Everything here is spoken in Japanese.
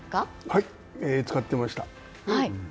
はい、使ってました。